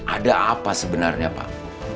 ada apa sebenarnya pak